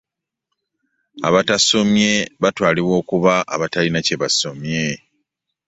abatasomye batwalibwa okuba abatalina kye basomye.